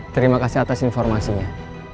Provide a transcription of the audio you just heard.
terima kasih atas informasinya